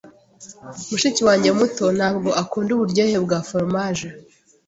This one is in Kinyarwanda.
Mushiki wanjye muto ntabwo akunda uburyohe bwa foromaje.